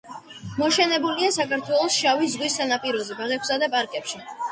მოშენებულია საქართველოს შავი ზღვის სანაპიროზე ბაღებსა და პარკებში.